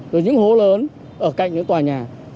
rồi những hố lớn ở cạnh những tòa nhà các trời